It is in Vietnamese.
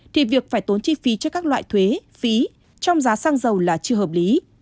thì việc phải tốn chi phí cho các loại thuế phí trong giá xăng dầu là chưa hợp lý